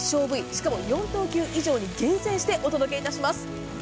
しかも４等級以上に厳選してお届けします。